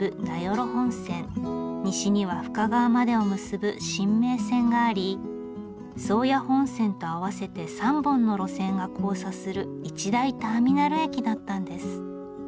西には深川までを結ぶ深名線があり宗谷本線と合わせて３本の路線が交差する一大ターミナル駅だったんです。